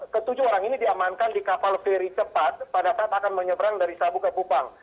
ketujuh orang ini diamankan di kapal feri cepat pada saat akan menyeberang dari sabu ke kupang